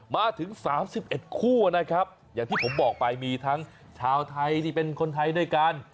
มาถึง๓๑คู่นะครับอย่างที่ผมบอกไปมีทั้งชาวไทยที่เป็นคนไทยด้วยกัน